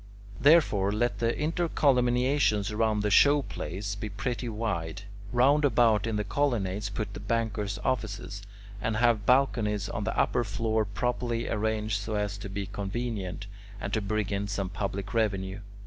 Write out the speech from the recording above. Therefore let the intercolumniations round the show place be pretty wide; round about in the colonnades put the bankers' offices; and have balconies on the upper floor properly arranged so as to be convenient, and to bring in some public revenue.